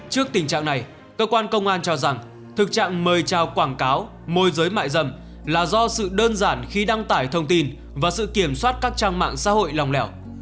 trước tình trạng này cơ quan công an cho rằng thực trạng mời trao quảng cáo môi giới mại dâm là do sự đơn giản khi đăng tải thông tin và sự kiểm soát các trang mạng xã hội lòng lẻo